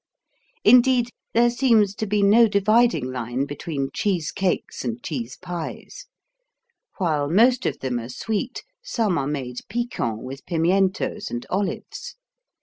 Indeed, there seems to be no dividing line between cheese cakes and cheese pies. While most of them are sweet, some are made piquant with pimientos and olives.